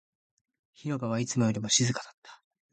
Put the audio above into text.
広場はいつもよりも静かだった